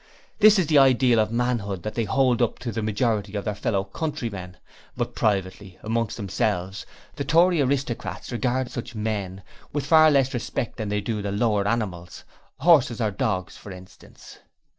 This is the ideal of manhood that they hold up to the majority of their fellow countrymen, but privately amongst themselves the Tory aristocrats regard such 'men' with far less respect than they do the lower animals. Horses or dogs, for instance.